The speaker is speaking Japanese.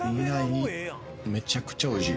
めちゃくちゃおいしい。